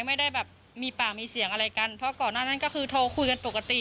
ไม่ได้แบบมีปากมีเสียงอะไรกันเพราะก่อนหน้านั้นก็คือโทรคุยกันปกติ